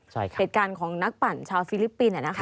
เหตุการณ์ของนักปั่นชาวฟิลิปปินส์